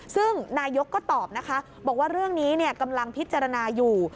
ซึ่งนายกก็ตอบนะคะบอกว่าเรื่องนี้กำลังพิจารณาอยู่